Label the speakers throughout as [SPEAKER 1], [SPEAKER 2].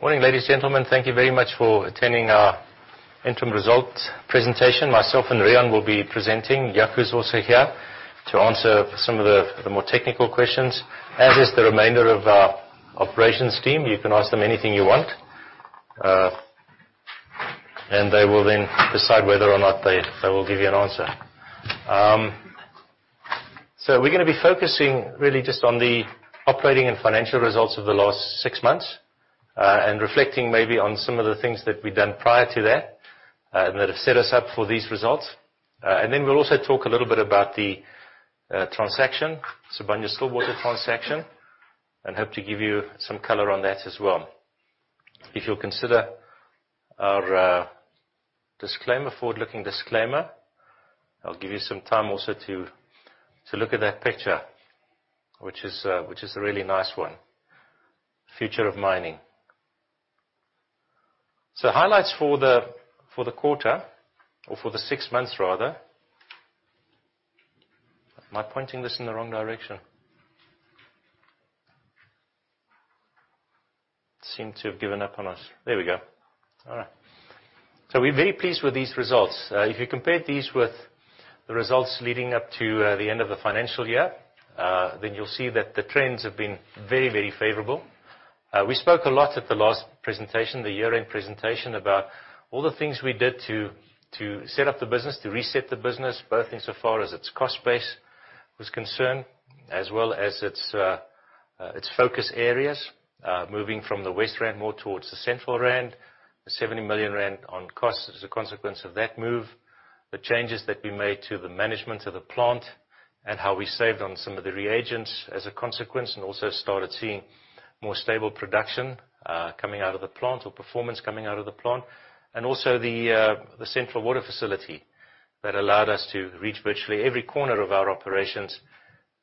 [SPEAKER 1] Morning, ladies and gentlemen. Thank you very much for attending our interim result presentation. Myself and Riaan will be presenting. Jaco is also here to answer some of the more technical questions, as is the remainder of our operations team. You can ask them anything you want, and they will then decide whether or not they will give you an answer. We're going to be focusing really just on the operating and financial results of the last six months, and reflecting maybe on some of the things that we've done prior to that have set us up for these results. We'll also talk a little bit about the transaction, Sibanye-Stillwater transaction, and hope to give you some color on that as well. If you'll consider our forward-looking disclaimer. I'll give you some time also to look at that picture, which is a really nice one. Future of mining. Highlights for the quarter or for the six months, rather. Am I pointing this in the wrong direction? Seem to have given up on us. There we go. All right. We're very pleased with these results. If you compare these with the results leading up to the end of the financial year, then you'll see that the trends have been very favorable. We spoke a lot at the last presentation, the year-end presentation, about all the things we did to set up the business, to reset the business, both in so far as its cost base was concerned, as well as its focus areas. Moving from the West Rand more towards the Central Rand, the 70 million rand on cost as a consequence of that move. The changes that we made to the management of the plant, and how we saved on some of the reagents as a consequence, and also started seeing more stable production coming out of the plant or performance coming out of the plant. Also the central water facility that allowed us to reach virtually every corner of our operations,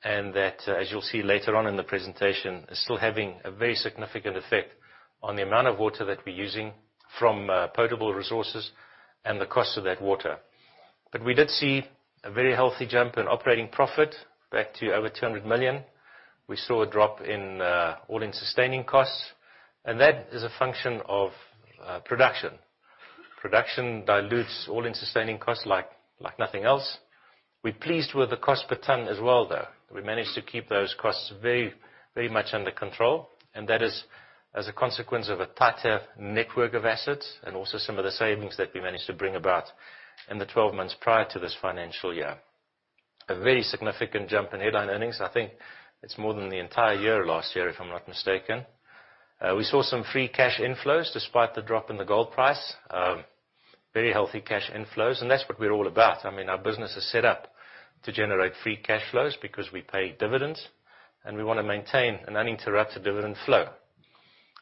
[SPEAKER 1] and that, as you'll see later on in the presentation, is still having a very significant effect on the amount of water that we're using from potable resources and the cost of that water. We did see a very healthy jump in operating profit back to over 200 million. We saw a drop in all-in sustaining costs, and that is a function of production. Production dilutes all-in sustaining costs like nothing else. We're pleased with the cost per ton as well, though. We managed to keep those costs very much under control, and that is as a consequence of a tighter network of assets and also some of the savings that we managed to bring about in the 12 months prior to this financial year. A very significant jump in headline earnings. I think it's more than the entire year last year, if I'm not mistaken. We saw some free cash inflows despite the drop in the gold price. Very healthy cash inflows, and that's what we're all about. I mean, our business is set up to generate free cash flows because we pay dividends, and we want to maintain an uninterrupted dividend flow.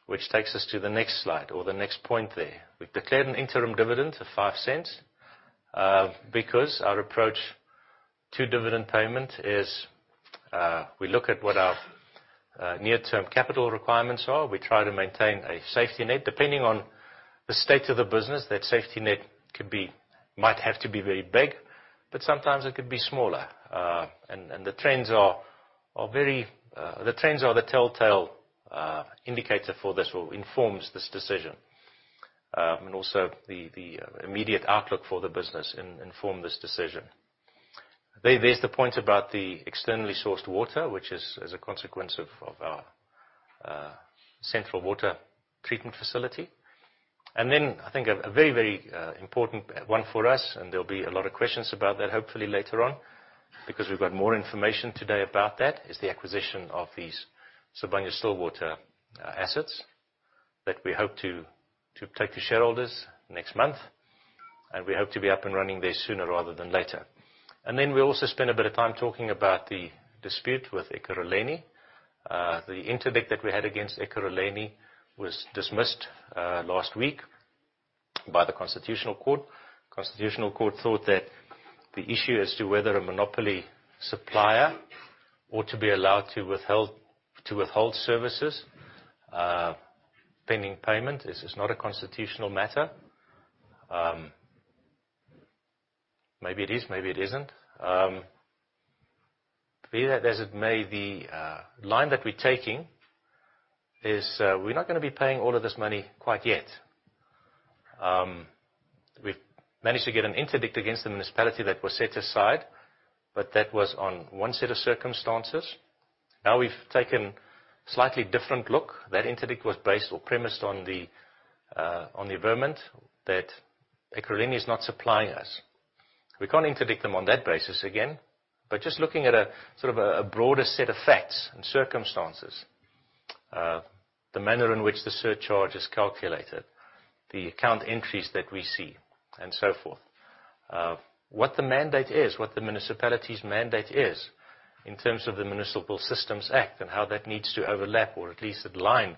[SPEAKER 1] Which takes us to the next slide or the next point there. We've declared an interim dividend of 0.05, because our approach to dividend payment is, we look at what our near-term capital requirements are. We try to maintain a safety net. Depending on the state of the business, that safety net might have to be very big, but sometimes it could be smaller. The trends are the telltale indicator for this or informs this decision. Also the immediate outlook for the business inform this decision. There's the point about the externally sourced water, which is as a consequence of our central water treatment facility. I think a very important one for us, and there'll be a lot of questions about that hopefully later on, because we've got more information today about that, is the acquisition of these Sibanye-Stillwater assets that we hope to take to shareholders next month, and we hope to be up and running there sooner rather than later. We'll also spend a bit of time talking about the dispute with Ekurhuleni. The interdict that we had against Ekurhuleni was dismissed last week by the Constitutional Court. Constitutional Court thought that the issue as to whether a monopoly supplier ought to be allowed to withhold services pending payment is not a constitutional matter. Maybe it is, maybe it isn't. Be that as it may, the line that we're taking is, we're not going to be paying all of this money quite yet. We've managed to get an interdict against the municipality that was set aside, but that was on one set of circumstances. Now we've taken a slightly different look. That interdict was based or premised on the averment that Ekurhuleni is not supplying us. We can't interdict them on that basis again, but just looking at a broader set of facts and circumstances, the manner in which the surcharge is calculated, the account entries that we see, and so forth. What the mandate is, what the municipality's mandate is in terms of the Municipal Systems Act and how that needs to overlap or at least align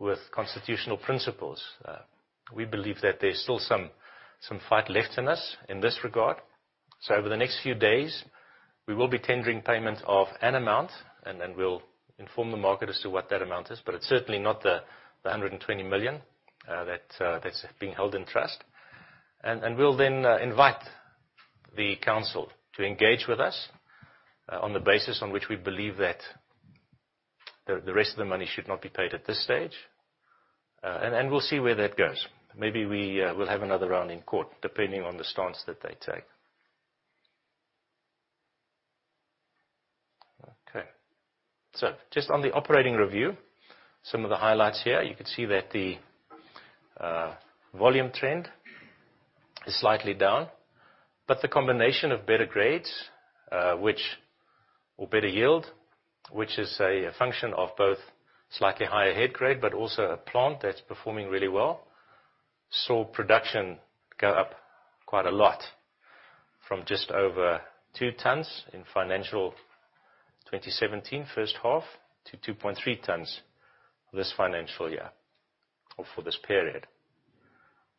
[SPEAKER 1] with constitutional principles. We believe that there's still some fight left in us in this regard. Over the next few days, we will be tendering payment of an amount, then we'll inform the market as to what that amount is, but it's certainly not the 120 million that's being held in trust. We'll then invite The council to engage with us on the basis on which we believe that the rest of the money should not be paid at this stage. We'll see where that goes. Maybe we'll have another round in court, depending on the stance that they take. Okay. Just on the operating review, some of the highlights here, you can see that the volume trend is slightly down, but the combination of better grades or better yield, which is a function of both slightly higher head grade, but also a plant that's performing really well, saw production go up quite a lot from just over two tons in financial 2017 first half to 2.3 tons this financial year or for this period.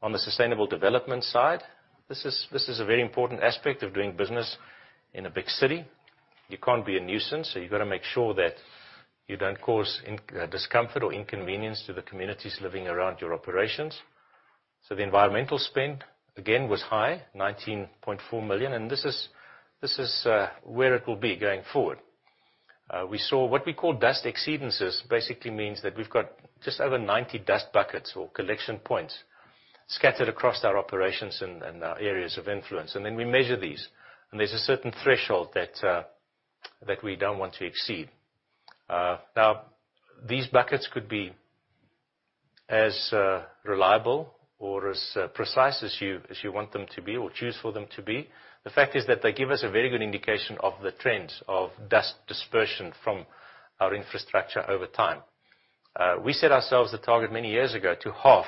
[SPEAKER 1] On the sustainable development side, this is a very important aspect of doing business in a big city. You can't be a nuisance, so you've got to make sure that you don't cause discomfort or inconvenience to the communities living around your operations. The environmental spend again was high, 19.4 million, this is where it will be going forward. We saw what we call dust exceedances, basically means that we have got just over 90 dust buckets or collection points scattered across our operations and our areas of influence. Then we measure these, and there is a certain threshold that we do not want to exceed. These buckets could be as reliable or as precise as you want them to be or choose for them to be. The fact is that they give us a very good indication of the trends of dust dispersion from our infrastructure over time. We set ourselves a target many years ago to half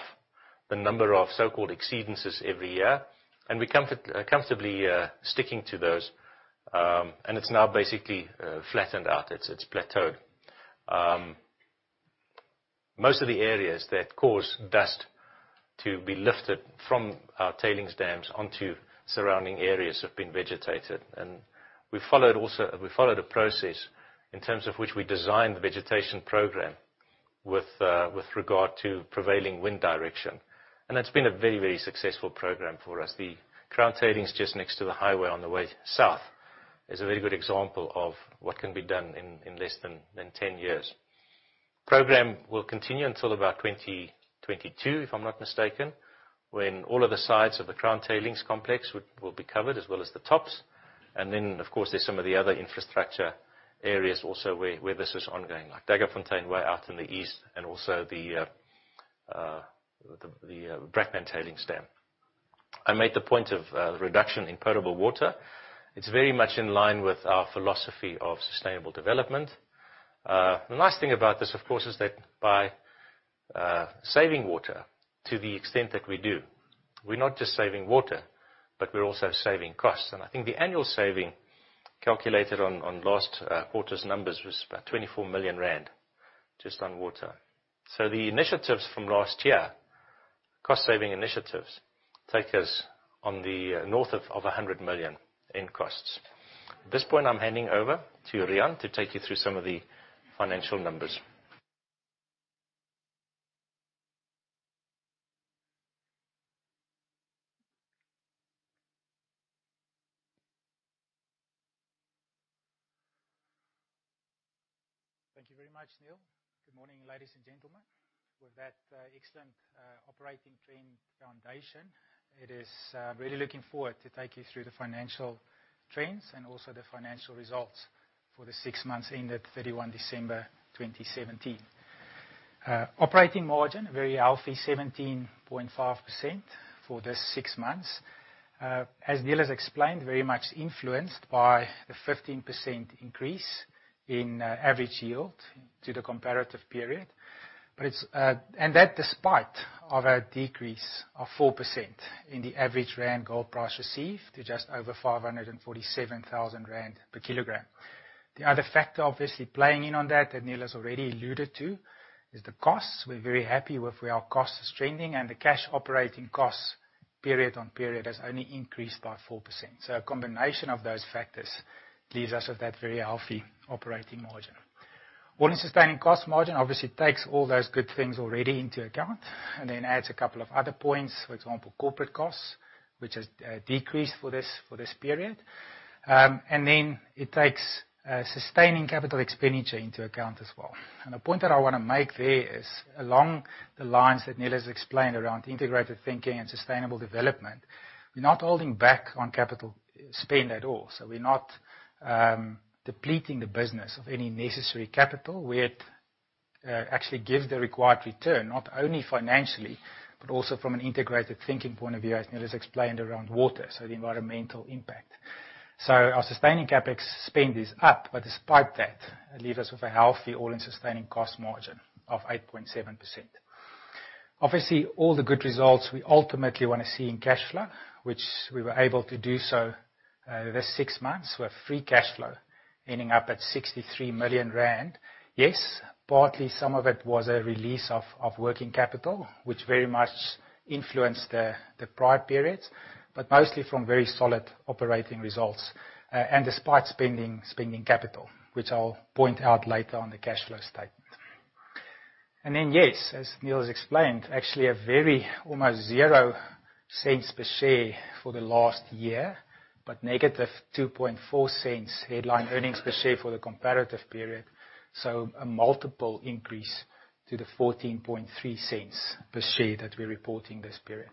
[SPEAKER 1] the number of so-called exceedances every year, and we are comfortably sticking to those. It is now basically flattened out. It is plateaued. Most of the areas that cause dust to be lifted from our tailings dams onto surrounding areas have been vegetated. We followed a process in terms of which we designed the vegetation program with regard to prevailing wind direction, and that has been a very, very successful program for us. The Crown tailings complex just next to the highway on the way south is a very good example of what can be done in less than 10 years. Program will continue until about 2022, if I am not mistaken, when all of the sides of the Crown tailings complex will be covered as well as the tops. Then, of course, there is some of the other infrastructure areas also where this is ongoing, like Daggafontein way out in the east and also the Brakpan Tailings Dam. I made the point of reduction in potable water. It is very much in line with our philosophy of sustainable development. The nice thing about this, of course, is that by saving water to the extent that we do, we are not just saving water, but we are also saving costs. I think the annual saving calculated on last quarter's numbers was about 24 million rand just on water. The initiatives from last year, cost-saving initiatives, take us on the north of 100 million in costs. At this point, I am handing over to Riaan to take you through some of the financial numbers.
[SPEAKER 2] Thank you very much, Niël. Good morning, ladies and gentlemen. With that excellent operating trend foundation, it is really looking forward to take you through the financial trends and also the financial results for the six months ended 31 December 2017. Operating margin, a very healthy 17.5% for this six months. As Niël has explained, very much influenced by the 15% increase in average yield to the comparative period. That despite of a decrease of 4% in the average ZAR gold price received to just over 547,000 rand per kilogram. The other factor obviously playing in on that Niël has already alluded to, is the costs. We are very happy with where our cost is trending and the cash operating costs period on period has only increased by 4%. A combination of those factors leaves us with that very healthy operating margin. All-in Sustaining Cost Margin obviously takes all those good things already into account and then adds a couple of other points. For example, corporate costs, which has decreased for this period. It takes sustaining CapEx into account as well. The point that I want to make there is along the lines that Niël has explained around integrated thinking and sustainable development, we are not holding back on capital spend at all. We are not depleting the business of any necessary capital where it actually gives the required return, not only financially, but also from an integrated thinking point of view, as Niël has explained around water, the environmental impact. Our sustaining CapEx spend is up, but despite that, leave us with a healthy All-in Sustaining Cost Margin of 8.7%. All the good results we ultimately want to see in cash flow, which we were able to do this six months with free cash flow ending up at 63 million rand. Partly some of it was a release of working capital, which very much influenced the prior periods, but mostly from very solid operating results. Despite spending capital, which I will point out later on the cash flow statement. As Niël has explained, actually a very almost 0.00 per share for the last year, but negative 0.024 headline earnings per share for the comparative period. A multiple increase to the 0.143 per share that we are reporting this period.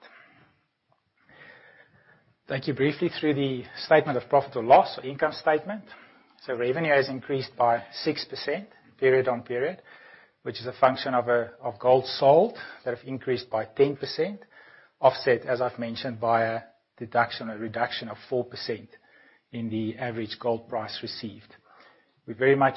[SPEAKER 2] Take you briefly through the statement of profit or loss or income statement. Revenue has increased by 6% period on period, which is a function of gold sold that have increased by 10%, offset, as I have mentioned, by a deduction, a reduction of 4% in the average gold price received. With very much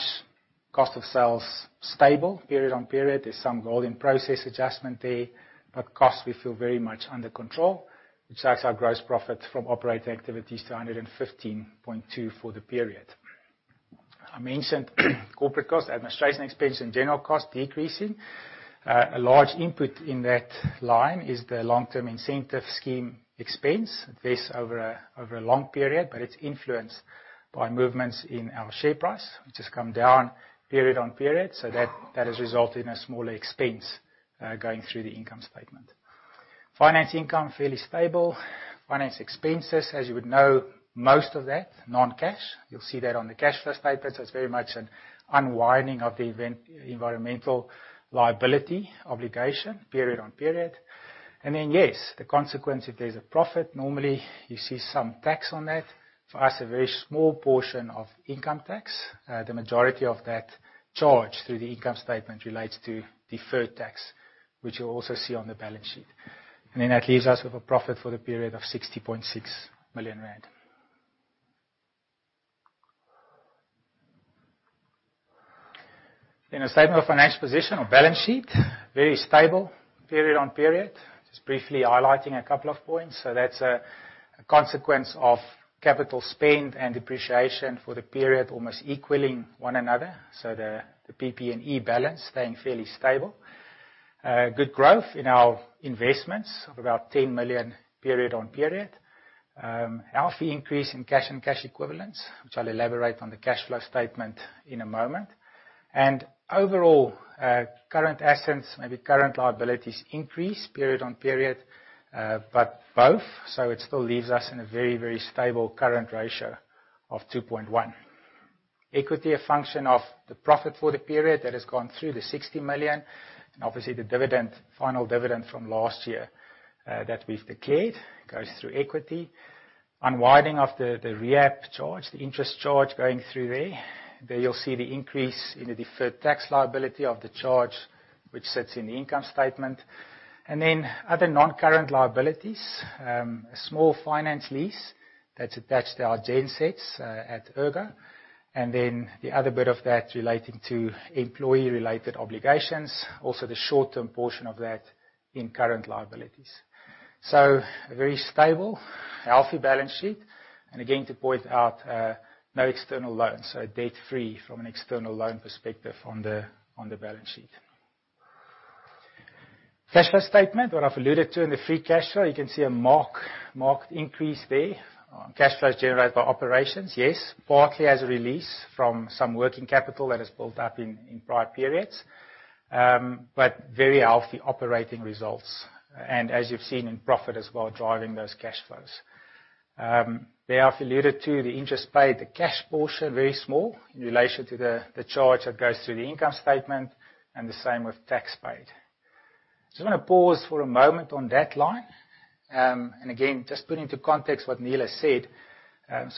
[SPEAKER 2] cost of sales stable period on period. There is some gold in process adjustment there, but costs we feel very much under control, which adds our gross profit from operating activities to 115.2 for the period. I mentioned corporate costs, administration expense, and general costs decreasing. A large input in that line is the Long-Term Incentive Scheme expense. It vests over a long period, but it is influenced by movements in our share price, which has come down period on period. That has resulted in a smaller expense, going through the income statement. Finance income, fairly stable. Finance expenses, as you would know, most of that, non-cash. You will see that on the cash flow statement. It is very much an unwinding of the environmental liability obligation period on period. The consequence, if there is a profit, normally you see some tax on that. For us, a very small portion of income tax. The majority of that charge through the income statement relates to deferred tax, which you will also see on the balance sheet. That leaves us with a profit for the period of 60.6 million rand. A statement of financial position or balance sheet, very stable period on period. Just briefly highlighting a couple of points. That is a consequence of capital spend and depreciation for the period almost equaling one another. The PP&E balance staying fairly stable. Good growth in our investments of about 10 million period on period. Healthy increase in cash and cash equivalents, which I'll elaborate on the cash flow statement in a moment. Overall, current assets, maybe current liabilities increase period on period. Both, so it still leaves us in a very, very stable current ratio of 2.1. Equity, a function of the profit for the period that has gone through the 60 million and obviously the final dividend from last year that we've declared goes through equity. Unwinding of the REAP charge, the interest charge going through there. There you'll see the increase in the deferred tax liability of the charge, which sits in the income statement. Other non-current liabilities, a small finance lease that's attached to our gensets at Ergo, and then the other bit of that relating to employee-related obligations, also the short-term portion of that in current liabilities. A very stable, healthy balance sheet. Again, to point out, no external loans, so debt-free from an external loan perspective on the balance sheet. Cash flow statement, what I've alluded to in the free cash flow, you can see a marked increase there on cash flows generated by operations. Yes, partly as a release from some working capital that has built up in prior periods, but very healthy operating results. As you've seen in profit as well, driving those cash flows. There I've alluded to the interest paid, the cash portion, very small in relation to the charge that goes through the income statement, and the same with tax paid. I'm gonna pause for a moment on that line. Again, just put into context what Niël has said.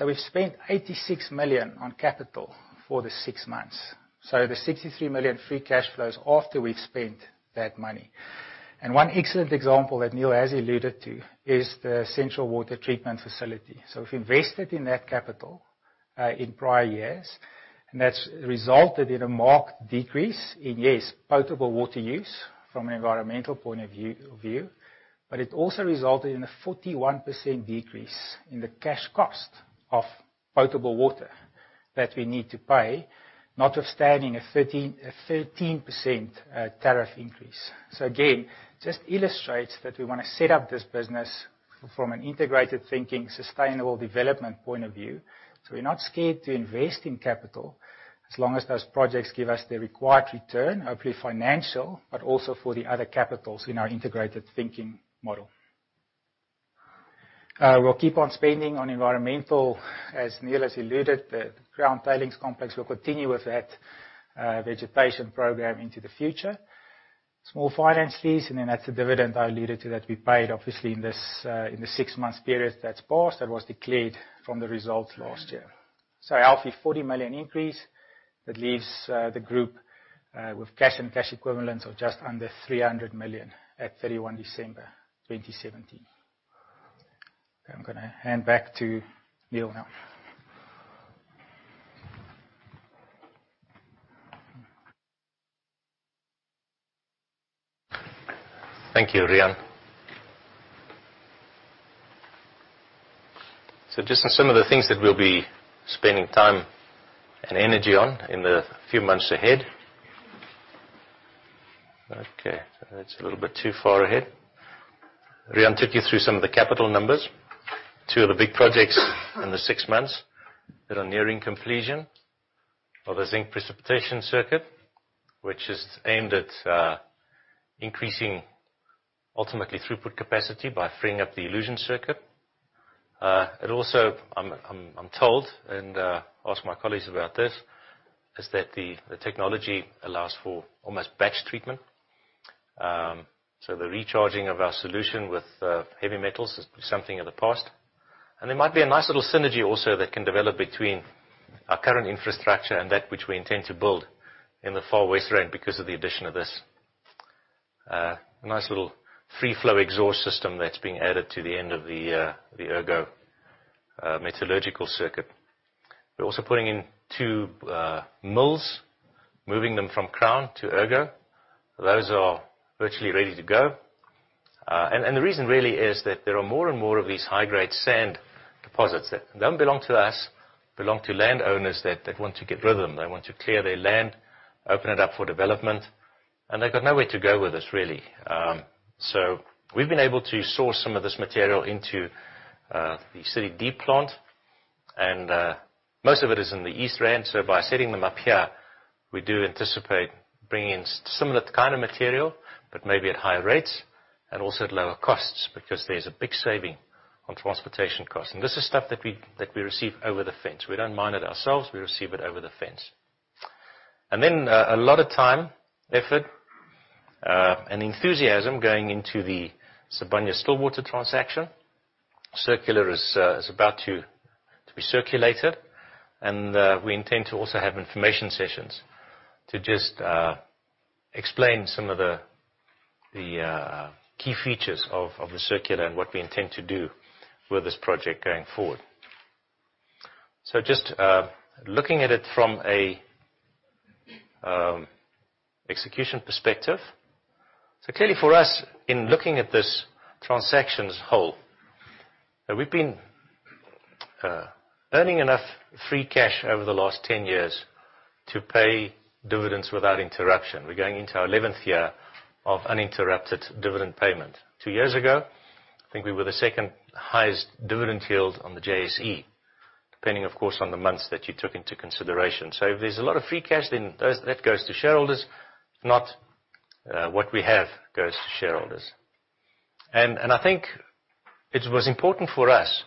[SPEAKER 2] We've spent 86 million on capital for the six months. The 63 million free cash flow is after we've spent that money. One excellent example that Niël has alluded to is the central water treatment facility. We've invested in that capital, in prior years, and that's resulted in a marked decrease in, yes, potable water use from an environmental point of view, but it also resulted in a 41% decrease in the cash cost of potable water that we need to pay, notwithstanding a 13% tariff increase. Again, just illustrates that we wanna set up this business from an integrated thinking, sustainable development point of view. We're not scared to invest in capital as long as those projects give us the required return, hopefully financial, but also for the other capitals in our integrated thinking model. We'll keep on spending on environmental, as Niël has alluded, the Crown tailings complex will continue with that vegetation program into the future. Small finance lease, then that's the dividend I alluded to that we paid obviously in the six months period that's passed, that was declared from the results last year. A healthy 40 million increase that leaves the group with cash and cash equivalents of just under 300 million at 31 December 2017. I'm gonna hand back to Niël now.
[SPEAKER 1] Thank you, Riaan. Just on some of the things that we'll be spending time and energy on in the few months ahead. Okay. That's a little bit too far ahead. Riaan took you through some of the capital numbers. Two of the big projects in the six months that are nearing completion of a zinc precipitation circuit, which is aimed at increasing ultimately throughput capacity by freeing up the elution circuit. It also, I am told, and ask my colleagues about this, is that the technology allows for almost batch treatment. The recharging of our solution with heavy metals is something of the past. There might be a nice little synergy also that can develop between our current infrastructure and that which we intend to build in the Far West Rand because of the addition of this nice little free flow exhaust system that's being added to the end of the Ergo metallurgical circuit. We're also putting in two mills, moving them from Crown to Ergo. Those are virtually ready to go. The reason really is that there are more and more of these high-grade sand deposits that don't belong to us, belong to landowners that want to get rid of them. They want to clear their land, open it up for development, and they've got nowhere to go with this, really. We've been able to source some of this material into the City Deep plant, and most of it is in the East Rand, by setting them up here, we do anticipate bringing in similar kind of material, but maybe at higher rates and also at lower costs because there's a big saving on transportation costs. This is stuff that we receive over the fence. We don't mine it ourselves, we receive it over the fence. Then a lot of time, effort, and enthusiasm going into the Sibanye-Stillwater transaction. Circular is about to be circulated and we intend to also have information sessions to just explain some of the key features of the circular and what we intend to do with this project going forward. Just looking at it from an execution perspective. Clearly for us, in looking at this transaction as whole, that we've been earning enough free cash over the last 10 years to pay dividends without interruption. We're going into our eleventh year of uninterrupted dividend payment. Two years ago, I think we were the second highest dividend yield on the JSE, depending, of course, on the months that you took into consideration. If there's a lot of free cash then that goes to shareholders, if not what we have goes to shareholders. I think it was important for us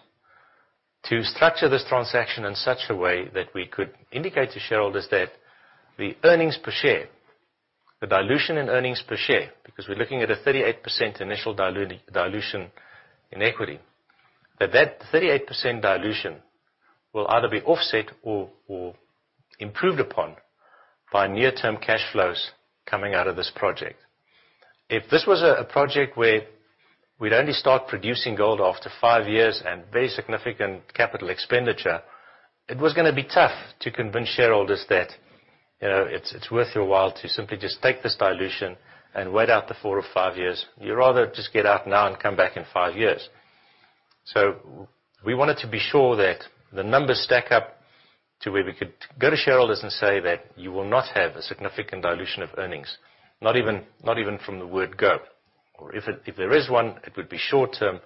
[SPEAKER 1] to structure this transaction in such a way that we could indicate to shareholders that the earnings per share, the dilution in earnings per share, because we're looking at a 38% initial dilution in equity, that that 38% dilution will either be offset or improved upon by near-term cash flows coming out of this project. If this was a project where we'd only start producing gold after five years and very significant capital expenditure, it was going to be tough to convince shareholders that it's worth your while to simply just take this dilution and wait out the four or five years. You rather just get out now and come back in five years. We wanted to be sure that the numbers stack up to where we could go to shareholders and say that you will not have a significant dilution of earnings, not even from the word go. If there is one, it would be short-term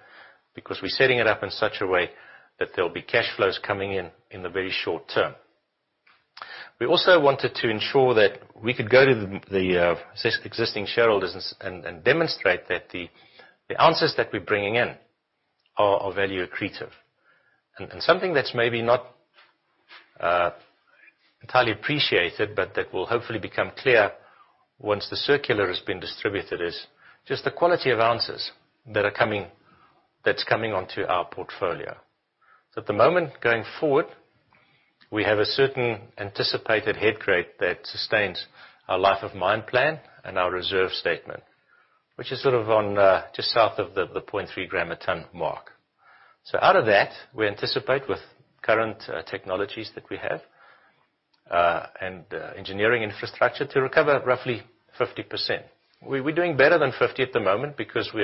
[SPEAKER 1] because we're setting it up in such a way that there'll be cash flows coming in in the very short term. We also wanted to ensure that we could go to the existing shareholders and demonstrate that the ounces that we're bringing in are value accretive. Something that's maybe not entirely appreciated, but that will hopefully become clear once the circular has been distributed, is just the quality of ounces that's coming onto our portfolio. At the moment, going forward, we have a certain anticipated head grade that sustains our life of mine plan and our reserve statement, which is sort of on just south of the 0.3 gram a tonne mark. Out of that, we anticipate with current technologies that we have, and engineering infrastructure to recover roughly 50%. We're doing better than 50% at the moment because we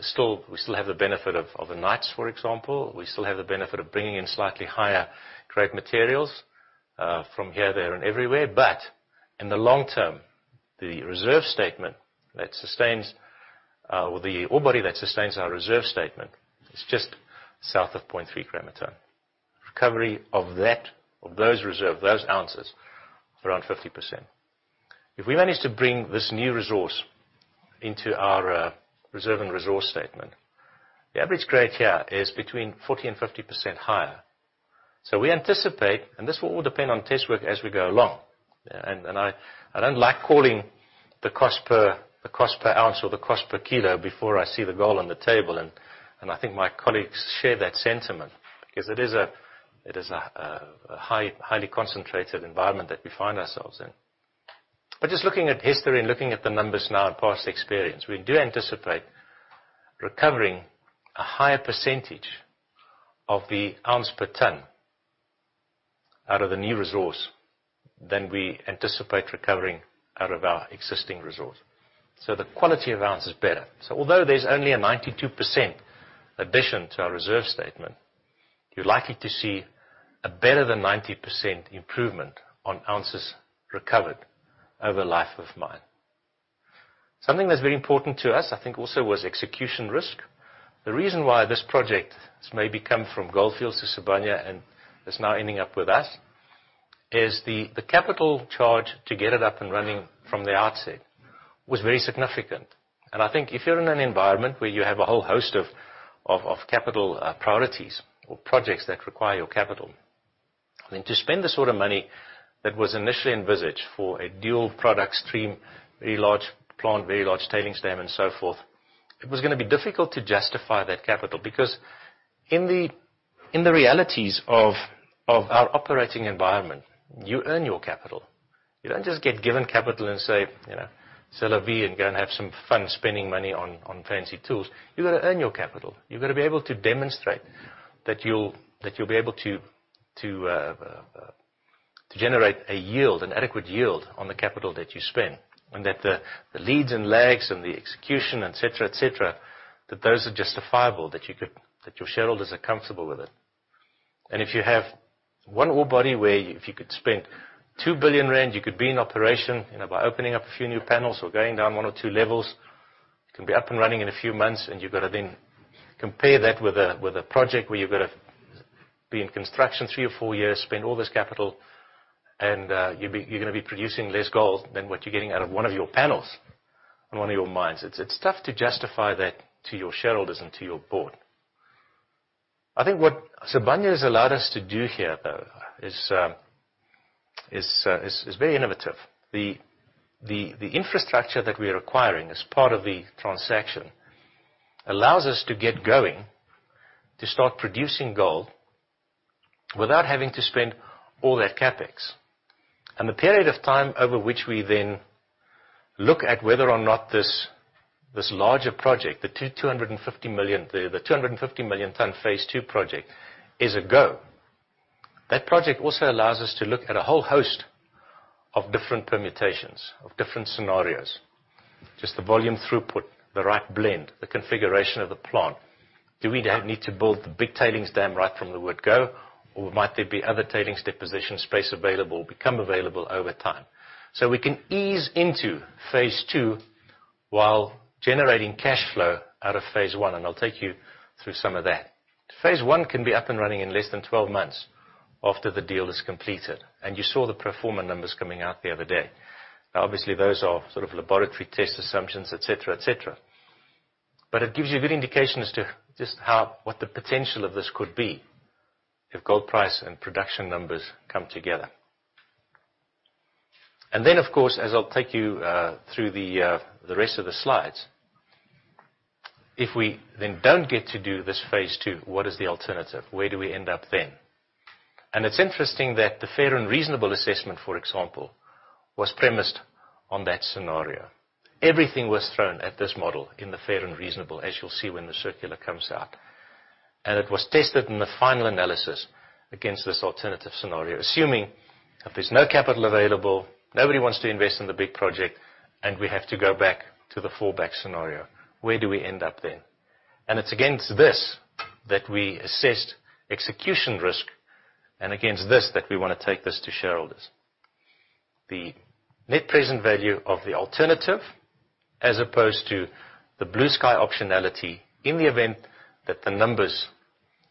[SPEAKER 1] still have the benefit of the Knights, for example. We still have the benefit of bringing in slightly higher grade materials from here, there, and everywhere. In the long term, the reserve statement that sustains or the ore body that sustains our reserve statement is just south of 0.3 gram a tonne. Recovery of those reserve, those ounces, around 50%. If we manage to bring this new resource into our reserve and resource statement, the average grade here is between 40% and 50% higher. We anticipate, and this will all depend on test work as we go along. I don't like calling the cost per ounce or the cost per kilo before I see the gold on the table, and I think my colleagues share that sentiment because it is a highly concentrated environment that we find ourselves in. Just looking at history and looking at the numbers now in past experience, we do anticipate recovering a higher percentage of the ounce per tonne out of the new resource than we anticipate recovering out of our existing resource. The quality of ounce is better. Although there's only a 92% addition to our reserve statement, you're likely to see a better than 90% improvement on ounces recovered over the life of mine. Something that's very important to us, I think, also was execution risk. The reason why this project has maybe come from Gold Fields to Sibanye and is now ending up with us is the capital charge to get it up and running from the outset was very significant. I think if you're in an environment where you have a whole host of capital priorities or projects that require your capital, then to spend the sort of money that was initially envisaged for a dual product stream, very large plant, very large tailings dam, and so forth, it was going to be difficult to justify that capital. In the realities of our operating environment, you earn your capital. You don't just get given capital and say, "C'est la vie," and go and have some fun spending money on fancy tools. You've got to earn your capital. You've got to be able to demonstrate that you'll be able to generate a yield, an adequate yield, on the capital that you spend, and that the leads and lags and the execution, et cetera, that those are justifiable, that your shareholders are comfortable with it. If you have one ore body where if you could spend 2 billion rand, you could be in operation by opening up a few new panels or going down 1 or 2 levels, you can be up and running in a few months, and you've got to then compare that with a project where you've got to be in construction 3 or 4 years, spend all this capital, and you're going to be producing less gold than what you're getting out of one of your panels on one of your mines. It's tough to justify that to your shareholders and to your board. I think what Sibanye has allowed us to do here, though, is very innovative. The infrastructure that we are acquiring as part of the transaction allows us to get going, to start producing gold without having to spend all that CapEx. The period of time over which we then look at whether or not this larger project, the 250 million tons phase 2 project is a go. That project also allows us to look at a whole host of different permutations, of different scenarios. Just the volume throughput, the right blend, the configuration of the plant. Do we need to build the big tailings dam right from the word go, or might there be other tailings deposition space available, become available over time? We can ease into phase 2 while generating cash flow out of phase 1, and I'll take you through some of that. Phase 1 can be up and running in less than 12 months after the deal is completed. You saw the pro forma numbers coming out the other day. Now obviously those are sort of laboratory test assumptions, et cetera. It gives you a good indication as to just what the potential of this could be if gold price and production numbers come together. Then, of course, as I'll take you through the rest of the slides, if we then don't get to do this phase 2, what is the alternative? Where do we end up then? It's interesting that the fair and reasonable assessment, for example, was premised on that scenario. Everything was thrown at this model in the fair and reasonable, as you'll see when the circular comes out. It was tested in the final analysis against this alternative scenario, assuming if there's no capital available, nobody wants to invest in the big project, and we have to go back to the fallback scenario. Where do we end up then? It's against this that we assessed execution risk, against this that we want to take this to shareholders. The net present value of the alternative as opposed to the blue sky optionality in the event that the numbers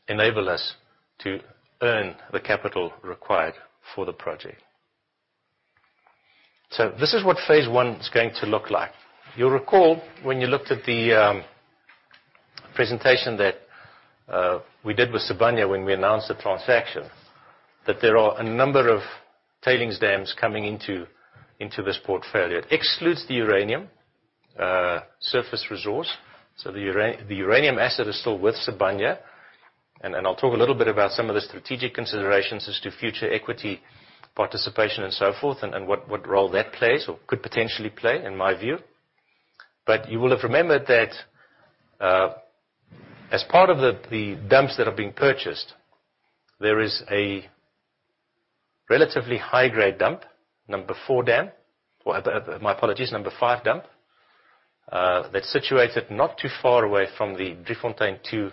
[SPEAKER 1] enable us to earn the capital required for the project. This is what phase one is going to look like. You'll recall when you looked at the presentation that we did with Sibanye when we announced the transaction, that there are a number of tailings dams coming into this portfolio. It excludes the uranium, surface resource. The uranium asset is still with Sibanye. I'll talk a little bit about some of the strategic considerations as to future equity participation and so forth and what role that plays or could potentially play in my view. You will have remembered that as part of the dumps that are being purchased, there is a relatively high-grade dump, number 4 dam. My apologies, number 5 dump, that's situated not too far away from the Driefontein 2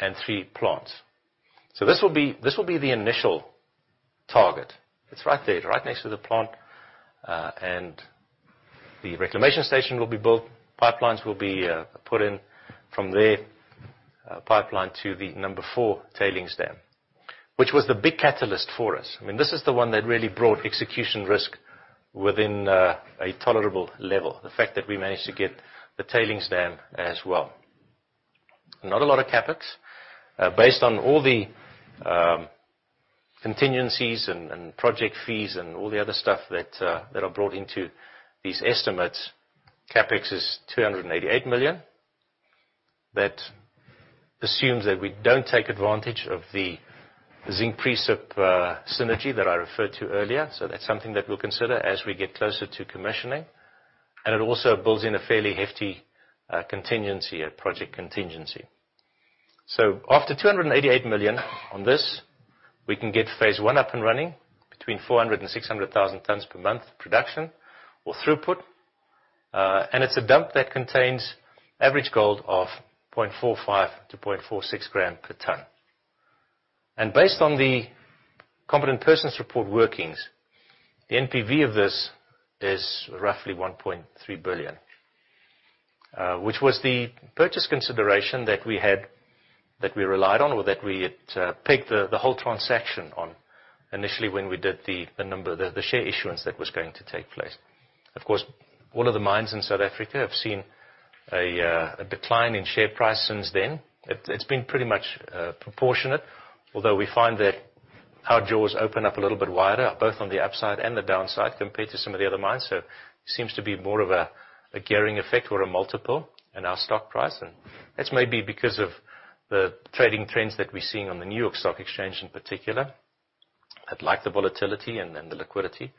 [SPEAKER 1] and 3 plants. This will be the initial target. It's right there. Right next to the plant. The reclamation station will be built, pipelines will be put in from there, pipeline to the number 4 tailings dam, which was the big catalyst for us. This is the one that really brought execution risk within a tolerable level. The fact that we managed to get the tailings dam as well. Not a lot of CapEx. Based on all the contingencies and project fees and all the other stuff that are brought into these estimates, CapEx is 288 million. That assumes that we don't take advantage of the zinc precip synergy that I referred to earlier. That's something that we'll consider as we get closer to commissioning, and it also builds in a fairly hefty contingency, a project contingency. After 288 million on this, we can get phase one up and running between 400,000-600,000 tons per month production or throughput. It's a dump that contains average gold of 0.45-0.46 gram per tonne. Based on the Competent Person's Report workings, the NPV of this is roughly 1.3 billion, which was the purchase consideration that we relied on or that we had pegged the whole transaction on initially when we did the share issuance that was going to take place. Of course, all of the mines in South Africa have seen a decline in share price since then. It's been pretty much proportionate, although we find that our jaws open up a little bit wider, both on the upside and the downside, compared to some of the other mines. Seems to be more of a gearing effect or a multiple in our stock price. That's maybe because of the trading trends that we're seeing on the New York Stock Exchange in particular, I'd like the volatility and the liquidity.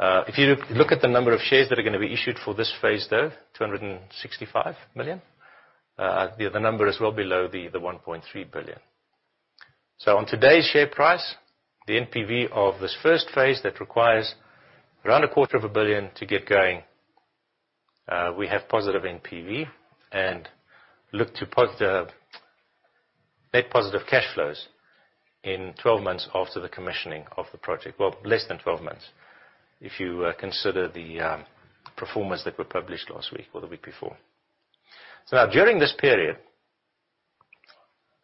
[SPEAKER 1] If you look at the number of shares that are going to be issued for this phase, though, 265 million, the number is well below the 1.3 billion. On today's share price, the NPV of this first phase that requires around a quarter of a billion ZAR to get going, we have positive NPV and look to net positive cash flows in 12 months after the commissioning of the project. Well, less than 12 months, if you consider the performance that were published last week or the week before. Now during this period,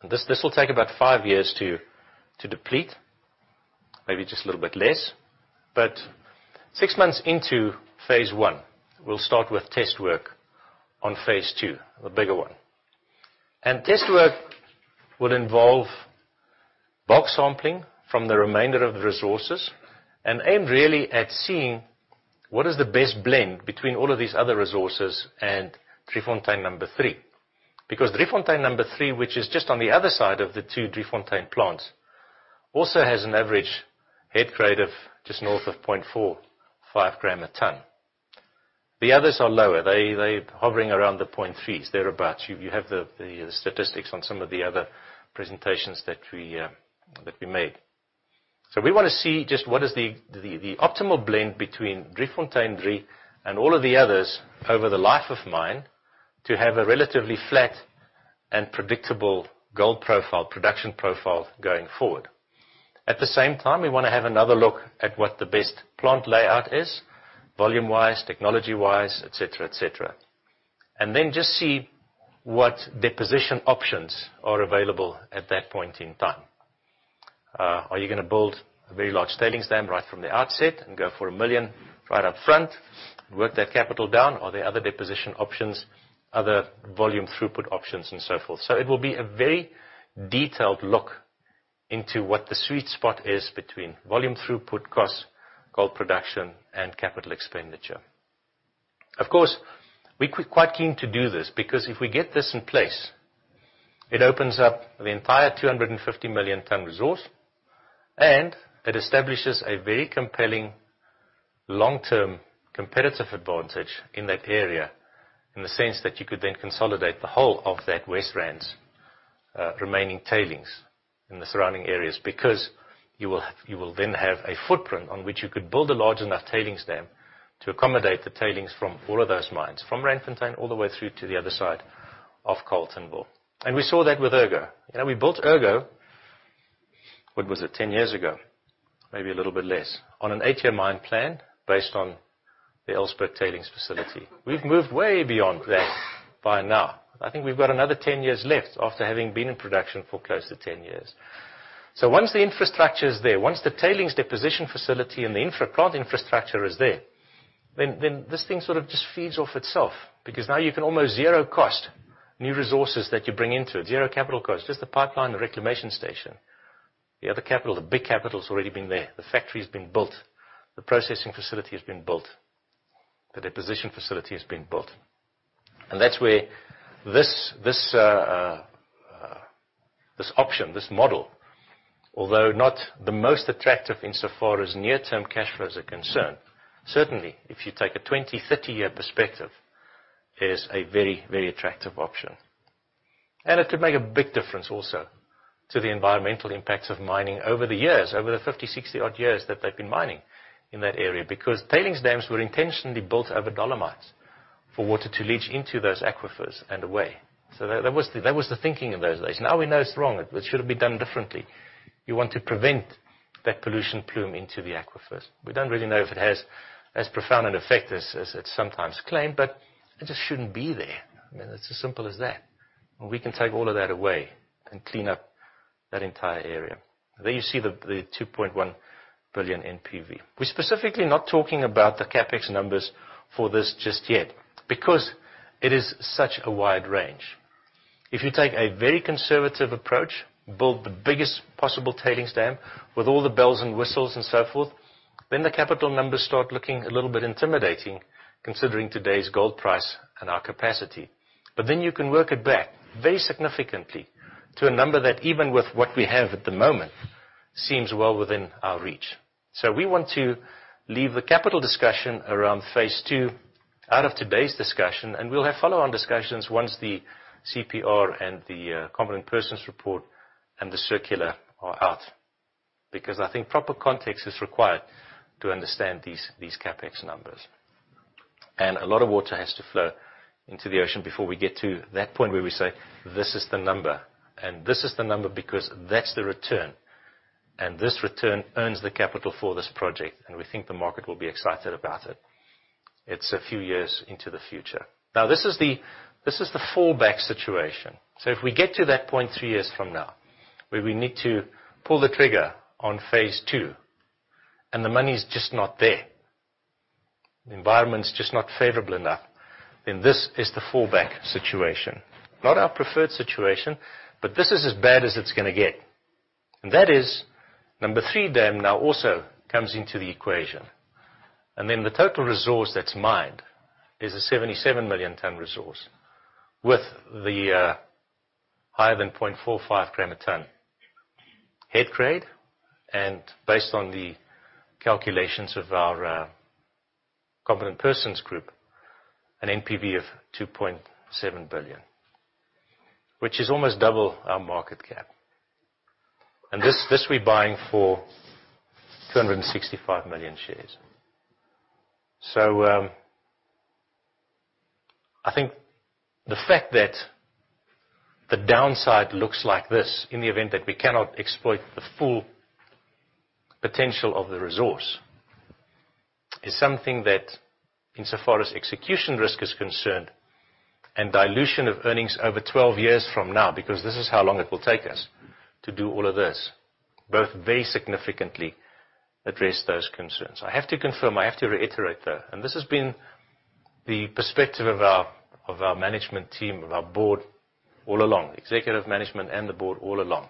[SPEAKER 1] and this will take about five years to deplete, maybe just a little bit less, but six months into phase 1, we'll start with test work on phase 2, the bigger one. Test work will involve bulk sampling from the remainder of the resources and aimed really at seeing what is the best blend between all of these other resources and Driefontein number three. Driefontein number three, which is just on the other side of the two Driefontein plants, also has an average head grade of just north of 0.45 gram a tonne. The others are lower. They're hovering around the 0.3s, thereabout. You have the statistics on some of the other presentations that we made. We want to see just what is the optimal blend between Driefontein 3 and all of the others over the life of mine to have a relatively flat and predictable gold profile, production profile going forward. At the same time, we want to have another look at what the best plant layout is volume-wise, technology-wise, et cetera. Then just see what deposition options are available at that point in time. Are you going to build a very large tailings dam right from the outset and go for 1 million right up front and work that capital down? Are there other deposition options, other volume throughput options, and so forth? It will be a very detailed look into what the sweet spot is between volume throughput costs, gold production, and capital expenditure. Of course, we're quite keen to do this because if we get this in place, it opens up the entire 250 million tonne resource, and it establishes a very compelling long-term competitive advantage in that area in the sense that you could then consolidate the whole of that West Rand's remaining tailings in the surrounding areas because you will then have a footprint on which you could build a large enough tailings dam to accommodate the tailings from all of those mines, from Randfontein all the way through to the other side of Carletonville. We saw that with Ergo. We built Ergo, what was it, 10 years ago, maybe a little bit less, on an eight-year mine plan based on the Elsburg tailings facility. We've moved way beyond that by now. I think we've got another 10 years left after having been in production for close to 10 years. Once the infrastructure is there, once the tailings deposition facility and the plant infrastructure is there, then this thing sort of just feeds off itself because now you can almost zero cost new resources that you bring into it. Zero capital cost, just the pipeline, the reclamation station. The other capital, the big capital's already been there. The factory's been built, the processing facility has been built, the deposition facility has been built. That's where this option, this model, although not the most attractive insofar as near-term cash flows are concerned, certainly if you take a 20, 30-year perspective, is a very attractive option. It could make a big difference also to the environmental impacts of mining over the years, over the 50, 60 odd years that they've been mining in that area because tailings dams were intentionally built over dolomites for water to leach into those aquifers and away. That was the thinking in those days. We know it's wrong. It should have been done differently. You want to prevent that pollution plume into the aquifers. We don't really know if it has as profound an effect as it's sometimes claimed, but it just shouldn't be there. I mean, it's as simple as that. We can take all of that away and clean up that entire area. There you see the 2.1 billion NPV. We're specifically not talking about the CapEx numbers for this just yet because it is such a wide range. If you take a very conservative approach, build the biggest possible tailings dam with all the bells and whistles and so forth, the capital numbers start looking a little bit intimidating considering today's gold price and our capacity. You can work it back very significantly to a number that even with what we have at the moment seems well within our reach. We want to leave the capital discussion around phase two out of today's discussion, and we'll have follow-on discussions once the CPR and the Competent Person's Report and the circular are out. I think proper context is required to understand these CapEx numbers. A lot of water has to flow into the ocean before we get to that point where we say, "This is the number, and this is the number because that's the return. This return earns the capital for this project, and we think the market will be excited about it." It's a few years into the future. This is the fallback situation. If we get to that point three years from now, where we need to pull the trigger on phase two, and the money's just not there, the environment's just not favorable enough, this is the fallback situation. Not our preferred situation, but this is as bad as it's going to get. That is number 3 dam now also comes into the equation. The total resource that's mined is a 77 million ton resource with the higher than 0.45 gram a ton head grade, and based on the calculations of our competent persons group, an NPV of 2.7 billion, which is almost double our market cap. This, we're buying for 265 million shares. I think the fact that the downside looks like this in the event that we cannot exploit the full potential of the resource, is something that insofar as execution risk is concerned and dilution of earnings over 12 years from now, because this is how long it will take us to do all of this, both very significantly address those concerns. I have to confirm, I have to reiterate, though, this has been the perspective of our management team, of our board, all along, executive management and the board all along,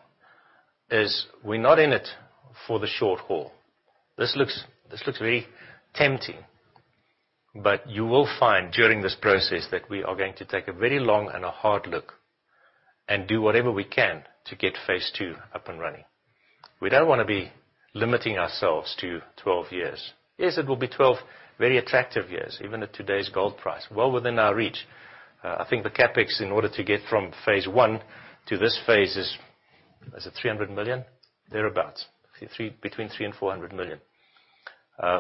[SPEAKER 1] is we're not in it for the short haul. This looks very tempting, you will find during this process that we are going to take a very long and a hard look and do whatever we can to get phase two up and running. We don't want to be limiting ourselves to 12 years. Yes, it will be 12 very attractive years, even at today's gold price. Well within our reach. I think the CapEx in order to get from phase one to this phase is it 300 million? Thereabout. Between 300 million and 400 million.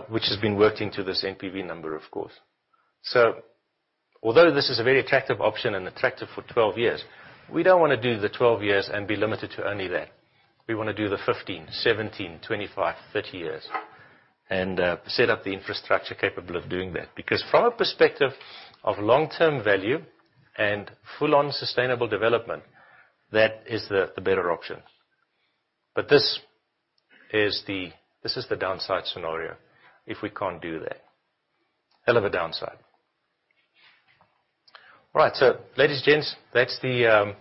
[SPEAKER 1] Which has been working to this NPV number, of course. Although this is a very attractive option and attractive for 12 years, we don't want to do the 12 years and be limited to only that. We want to do the 15, 17, 25, 30 years and set up the infrastructure capable of doing that. From a perspective of long-term value and full-on sustainable development, that is the better option. This is the downside scenario if we can't do that. Hell of a downside. All right. Ladies, gents, that's the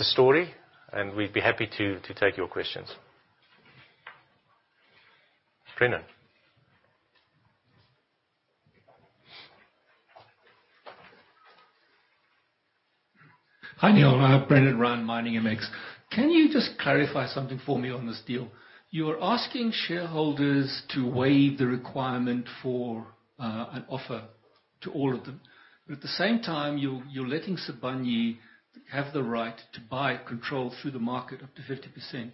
[SPEAKER 1] story, and we'd be happy to take your questions. Brendan.
[SPEAKER 3] Hi, Niël. Brendan Ryan, MiningMX. Can you just clarify something for me on this deal? You are asking shareholders to waive the requirement for an offer to all of them, but at the same time, you're letting Sibanye have the right to buy control through the market up to 50%.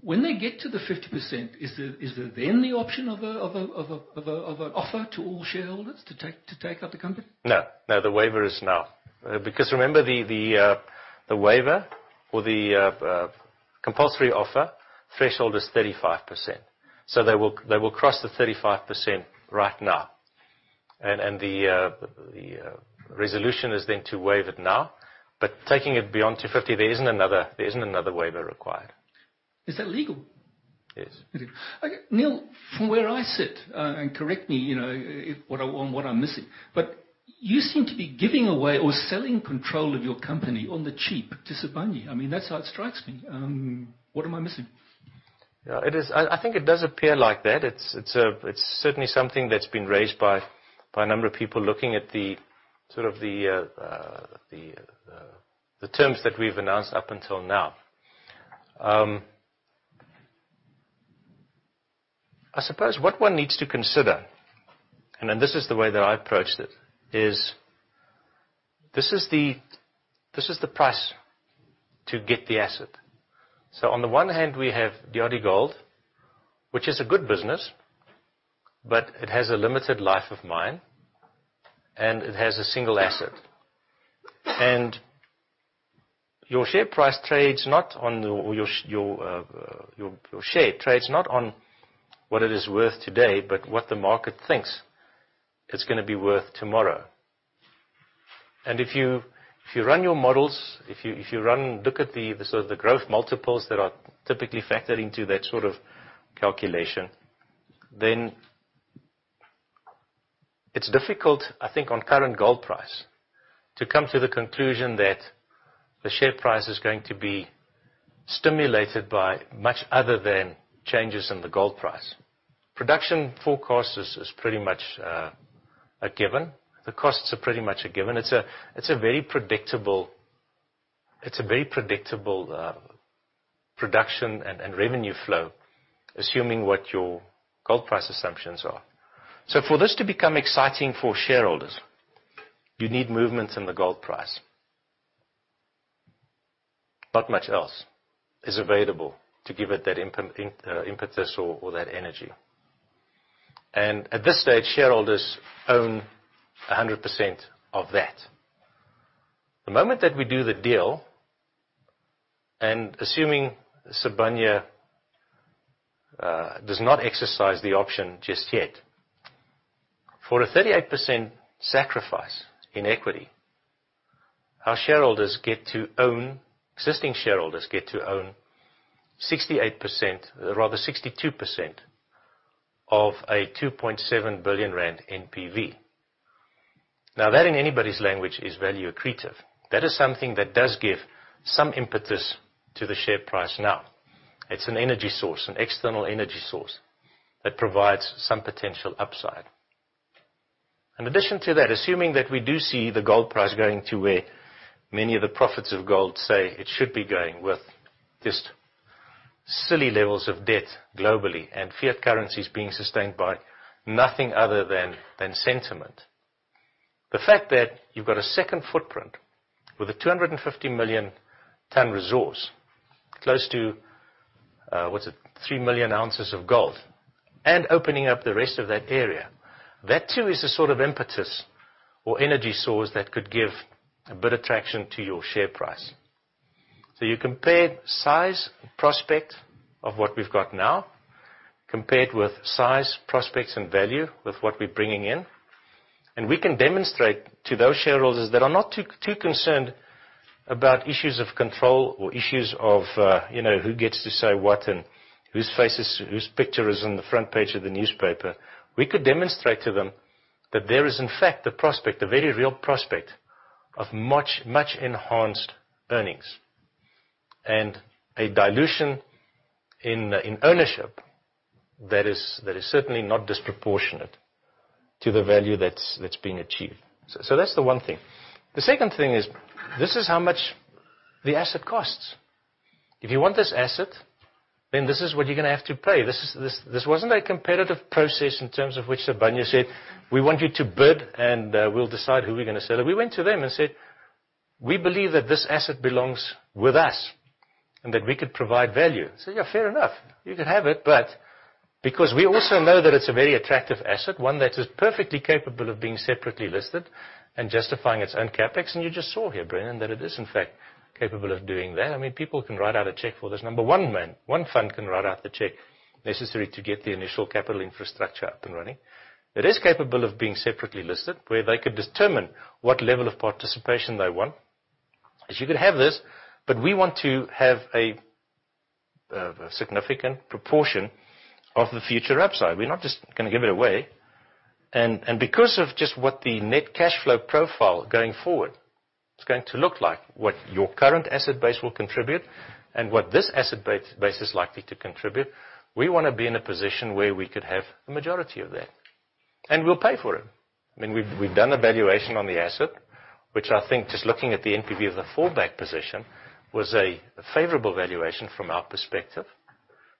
[SPEAKER 3] When they get to the 50%, is there then the option of an offer to all shareholders to take up the company?
[SPEAKER 1] No. The waiver is now. Remember the waiver or the compulsory offer threshold is 35%. They will cross the 35% right now. The resolution is then to waive it now, but taking it beyond to 50%, there isn't another waiver required.
[SPEAKER 3] Is that legal?
[SPEAKER 1] Yes.
[SPEAKER 3] Okay. Niël, from where I sit, and correct me on what I'm missing, but you seem to be giving away or selling control of your company on the cheap to Sibanye. That's how it strikes me. What am I missing?
[SPEAKER 1] I think it does appear like that. It's certainly something that's been raised by a number of people looking at the terms that we've announced up until now. I suppose what one needs to consider, and then this is the way that I approached it, is this is the price to get the asset. So on the one hand, we have DRDGOLD, which is a good business, but it has a limited life of mine, and it has a single asset. And your share trades not on what it is worth today, but what the market thinks it's going to be worth tomorrow. If you run your models, look at the growth multiples that are typically factored into that sort of calculation, then it's difficult, I think, on current gold price, to come to the conclusion that the share price is going to be stimulated by much other than changes in the gold price. Production forecast is pretty much a given. The costs are pretty much a given. It's a very predictable production and revenue flow, assuming what your gold price assumptions are. For this to become exciting for shareholders, you need movements in the gold price. Not much else is available to give it that impetus or that energy. At this stage, shareholders own 100% of that. The moment that we do the deal, and assuming Sibanye does not exercise the option just yet, for a 38% sacrifice in equity, our existing shareholders get to own 62% of a 2.7 billion rand NPV. That in anybody's language is value accretive. That is something that does give some impetus to the share price now. It's an energy source, an external energy source that provides some potential upside. In addition to that, assuming that we do see the gold price going to where many of the prophets of gold say it should be going, with just silly levels of debt globally and fiat currencies being sustained by nothing other than sentiment. The fact that you've got a second footprint with a 250 million ton resource, close to, what's it? 3 million ounces of gold, and opening up the rest of that area. That too is a sort of impetus or energy source that could give a bit of traction to your share price. You compare size and prospect of what we've got now, compare it with size, prospects, and value with what we're bringing in, we can demonstrate to those shareholders that are not too concerned about issues of control or issues of who gets to say what and whose picture is on the front page of the newspaper. We could demonstrate to them that there is, in fact, the prospect, a very real prospect of much enhanced earnings and a dilution in ownership that is certainly not disproportionate to the value that's being achieved. That's the one thing. The second thing is, this is how much the asset costs. If you want this asset, this is what you're going to have to pay. This wasn't a competitive process in terms of which Sibanye said, "We want you to bid and we'll decide who we're going to sell it." We went to them and said, "We believe that this asset belongs with us and that we could provide value." They said, "Yeah, fair enough. You can have it." Because we also know that it's a very attractive asset, one that is perfectly capable of being separately listed and justifying its own CapEx, and you just saw here, Brendan, that it is in fact capable of doing that. I mean, people can write out a check for this. Number one fund can write out the check necessary to get the initial capital infrastructure up and running. It is capable of being separately listed where they could determine what level of participation they want, is you could have this, but we want to have a significant proportion of the future upside. We're not just going to give it away. Because of just what the net cash flow profile going forward is going to look like, what your current asset base will contribute and what this asset base is likely to contribute, we want to be in a position where we could have a majority of that, and we'll pay for it. I mean, we've done a valuation on the asset, which I think just looking at the NPV of the fallback position was a favorable valuation from our perspective.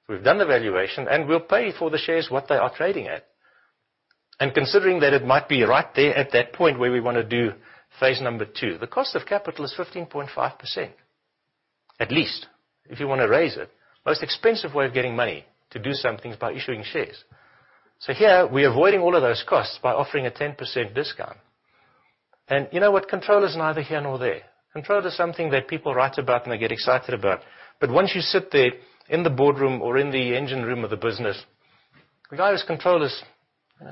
[SPEAKER 1] We've done the valuation, we'll pay for the shares what they are trading at. Considering that it might be right there at that point where we want to do phase 2, the cost of capital is 15.5%, at least if you want to raise it. Most expensive way of getting money to do something is by issuing shares. Here, we're avoiding all of those costs by offering a 10% discount. You know what? Control is neither here nor there. Control is something that people write about and they get excited about. Once you sit there in the boardroom or in the engine room of the business, the guy who's control is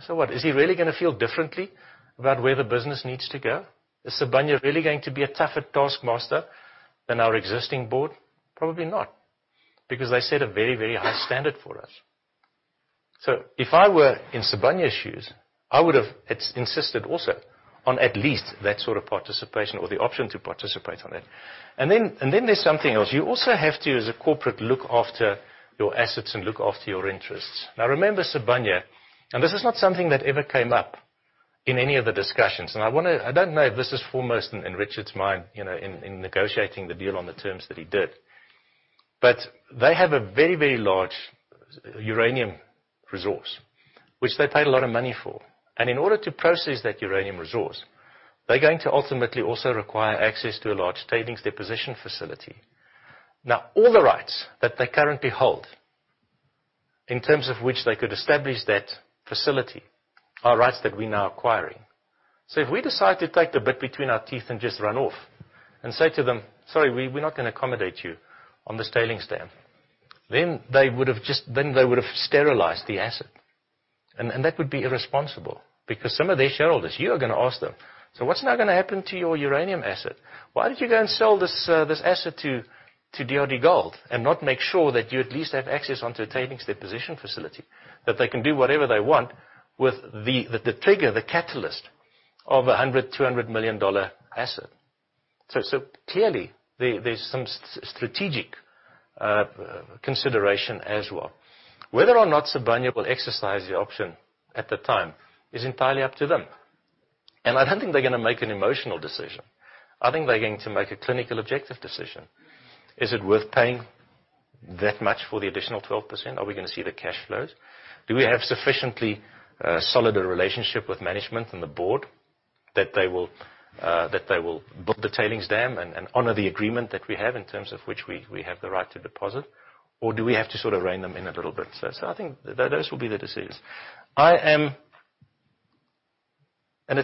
[SPEAKER 1] So what? Is he really going to feel differently about where the business needs to go? Is Sibanye really going to be a tougher taskmaster than our existing board? Probably not, because they set a very high standard for us. If I were in Sibanye shoes, I would have insisted also on at least that sort of participation or the option to participate on it. There's something else. You also have to, as a corporate, look after your assets and look after your interests. Remember Sibanye, and this is not something that ever came up in any of the discussions. I don't know if this is foremost in Richard's mind in negotiating the deal on the terms that he did. They have a very large uranium resource, which they paid a lot of money for. In order to process that uranium resource, they're going to ultimately also require access to a large tailings deposition facility. All the rights that they currently hold in terms of which they could establish that facility are rights that we're now acquiring. If we decide to take the bit between our teeth and just run off and say to them, "Sorry, we're not going to accommodate you on this tailings dam." They would have sterilized the asset. That would be irresponsible because some of their shareholders, you are going to ask them, "What's now going to happen to your uranium asset? Why did you go and sell this asset to DRDGOLD and not make sure that you at least have access onto a tailings deposition facility, that they can do whatever they want with the trigger, the catalyst of 100 million, 200 million asset?" Clearly, there's some strategic consideration as well. Whether or not Sibanye will exercise the option at the time is entirely up to them. I don't think they're going to make an emotional decision. I think they're going to make a clinical, objective decision. Is it worth paying that much for the additional 12%? Are we going to see the cash flows? Do we have sufficiently solid a relationship with management and the board that they will build the tailings dam and honor the agreement that we have in terms of which we have the right to deposit, or do we have to sort of rein them in a little bit? I think those will be the decisions. It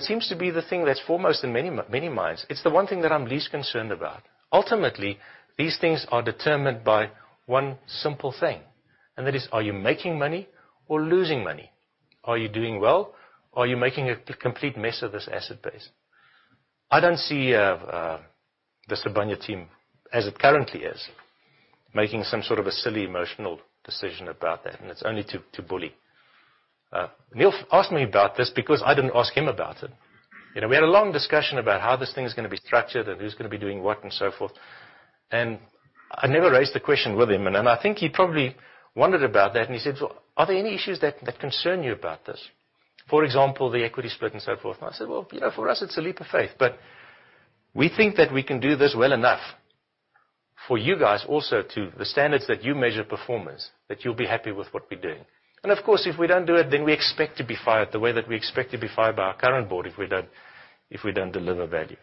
[SPEAKER 1] seems to be the thing that's foremost in many minds. It's the one thing that I'm least concerned about. Ultimately, these things are determined by one simple thing. Are you making money or losing money? Are you doing well? Are you making a complete mess of this asset base? I don't see the Sibanye team, as it currently is, making some sort of a silly emotional decision about that, and it's only to bully. Neal asked me about this because I didn't ask him about it. We had a long discussion about how this thing is going to be structured and who's going to be doing what and so forth. I never raised the question with him, I think he probably wondered about that, he said, "Well, are there any issues that concern you about this? For example, the equity split and so forth." I said, "Well, for us, it's a leap of faith, but we think that we can do this well enough for you guys also to the standards that you measure performance, that you'll be happy with what we're doing. Of course, if we don't do it, then we expect to be fired the way that we expect to be fired by our current board if we don't deliver value.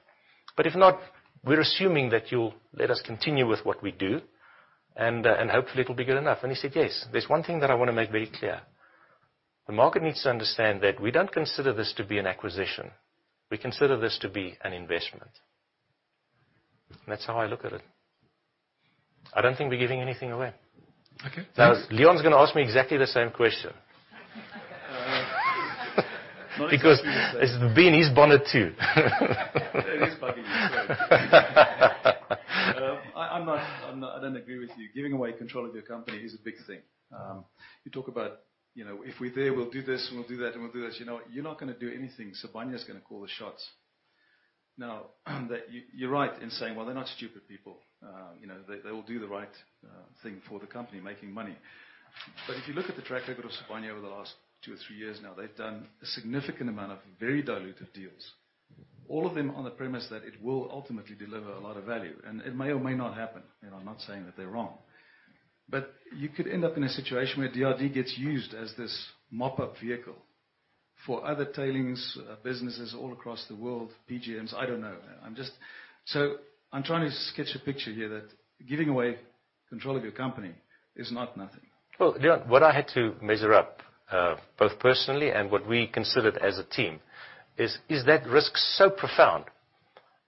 [SPEAKER 1] If not, we're assuming that you'll let us continue with what we do and hopefully it'll be good enough." He said yes. There's one thing that I want to make very clear. The market needs to understand that we don't consider this to be an acquisition. We consider this to be an investment. That's how I look at it. I don't think we're giving anything away.
[SPEAKER 4] Okay.
[SPEAKER 1] Now, Leon's going to ask me exactly the same question. It's been in his bonnet, too.
[SPEAKER 4] It is bugging me, sure. I don't agree with you. Giving away control of your company is a big thing. You talk about if we're there, we'll do this and we'll do that and we'll do this. You're not going to do anything. Sibanye is going to call the shots. Now, you're right in saying, well, they're not stupid people. They will do the right thing for the company, making money. If you look at the track record of Sibanye over the last two or three years now, they've done a significant amount of very diluted deals, all of them on the premise that it will ultimately deliver a lot of value, and it may or may not happen. I'm not saying that they're wrong. You could end up in a situation where DRD gets used as this mop-up vehicle for other tailings businesses all across the world, PGMs, I don't know. I'm trying to sketch a picture here that giving away control of your company is not nothing.
[SPEAKER 1] Well, Leon, what I had to measure up, both personally and what we considered as a team is that risk so profound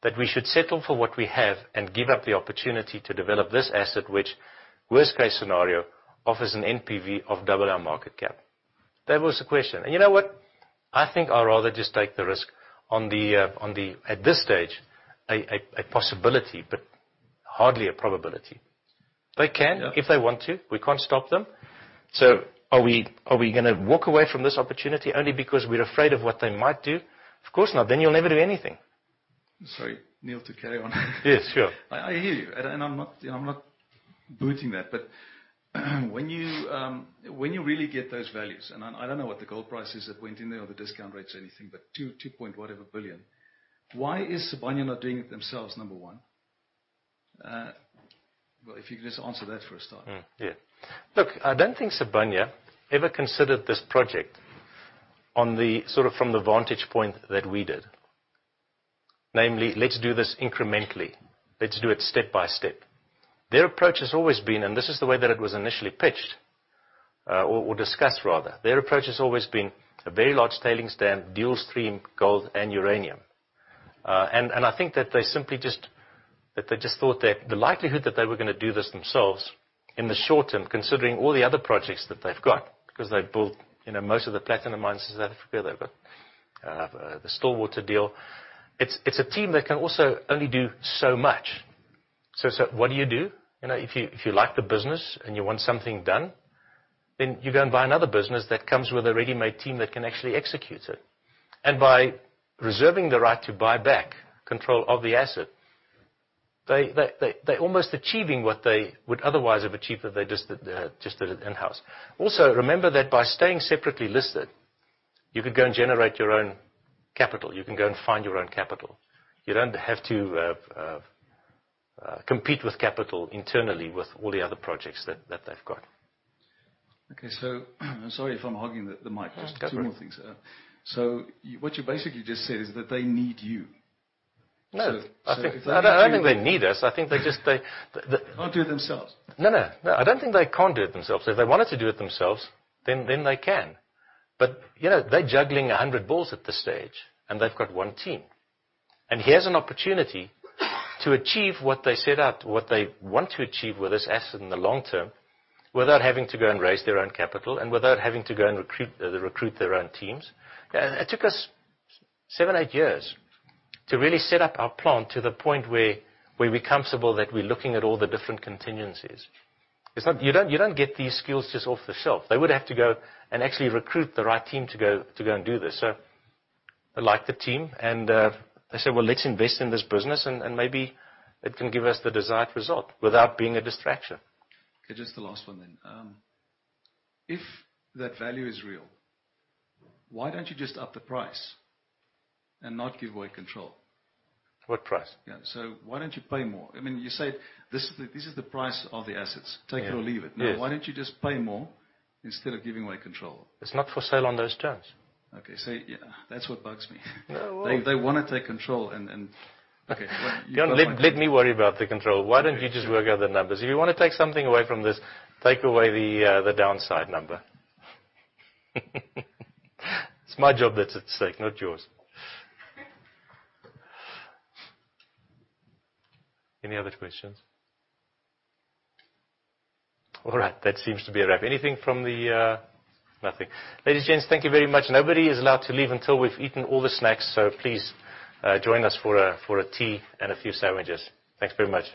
[SPEAKER 1] that we should settle for what we have and give up the opportunity to develop this asset, which worst case scenario offers an NPV of double our market cap? That was the question. You know what? I think I'd rather just take the risk on the, at this stage, a possibility, but hardly a probability. They can if they want to. We can't stop them. Are we going to walk away from this opportunity only because we're afraid of what they might do? Of course not. You'll never do anything.
[SPEAKER 4] Sorry, Niël, to carry on.
[SPEAKER 1] Yes, sure.
[SPEAKER 4] I hear you, and I'm not booting that. When you really get those values, and I don't know what the gold price is that went in there or the discount rates or anything, but two point whatever billion. Why is Sibanye not doing it themselves, number one? Well, if you could just answer that for a start.
[SPEAKER 1] Look, I don't think Sibanye ever considered this project sort of from the vantage point that we did. Namely, let's do this incrementally. Let's do it step by step. Their approach has always been, this is the way that it was initially pitched or discussed, rather, their approach has always been a very large tailings dam, dual stream gold and uranium. I think that they simply just thought that the likelihood that they were going to do this themselves in the short term, considering all the other projects that they've got, because they built most of the platinum mines in South Africa, they've got the Stillwater deal. It's a team that can also only do so much. What do you do? If you like the business and you want something done, you go and buy another business that comes with a ready-made team that can actually execute it. By reserving the right to buy back control of the asset, they're almost achieving what they would otherwise have achieved if they just did it in-house. Also, remember that by staying separately listed, you could go and generate your own capital. You can go and find your own capital. You don't have to compete with capital internally with all the other projects that they've got.
[SPEAKER 4] I'm sorry if I'm hogging the mic.
[SPEAKER 1] That's all right.
[SPEAKER 4] Just two more things. What you basically just said is that they need you.
[SPEAKER 1] No. I don't think they need us. I think they
[SPEAKER 4] Can't do it themselves.
[SPEAKER 1] No, no. No, I don't think they can't do it themselves. If they wanted to do it themselves, then they can. They're juggling 100 balls at this stage, and they've got one team. Here's an opportunity to achieve what they set out, what they want to achieve with this asset in the long term without having to go and raise their own capital and without having to go and recruit their own teams. It took us seven, eight years to really set up our plant to the point where we're comfortable that we're looking at all the different contingencies. You don't get these skills just off the shelf. They would have to go and actually recruit the right team to go and do this. They like the team, and they said, "Well, let's invest in this business, and maybe it can give us the desired result without being a distraction.
[SPEAKER 4] Just the last one then. If that value is real, why don't you just up the price and not give away control?
[SPEAKER 1] What price?
[SPEAKER 4] Why don't you pay more? You said this is the price of the assets. Take it or leave it.
[SPEAKER 1] Yes.
[SPEAKER 4] Why don't you just pay more instead of giving away control?
[SPEAKER 1] It's not for sale on those terms.
[SPEAKER 4] Okay. That's what bugs me.
[SPEAKER 1] No.
[SPEAKER 4] They want to take control.
[SPEAKER 1] Leon, let me worry about the control. Why don't you just work out the numbers? If you want to take something away from this, take away the downside number. It's my job that's at stake, not yours. Any other questions? All right. That seems to be a wrap. Anything from the Nothing. Ladies and gents, thank you very much. Nobody is allowed to leave until we've eaten all the snacks, please join us for a tea and a few sandwiches. Thanks very much.